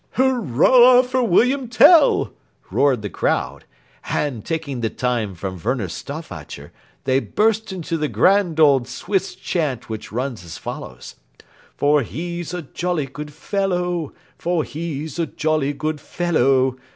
"Hurrah for William Tell!" roared the crowd, and, taking the time from Werner Stauffacher, they burst into the grand old Swiss chant which runs as follows: "For he's a jolly good fellow! For he's a jolly good fellow!!